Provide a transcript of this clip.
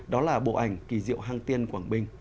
đó là bộ ảnh kỳ diệu hang tiên quảng bình